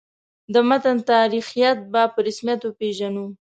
د متن تاریخیت به په رسمیت وپېژنو.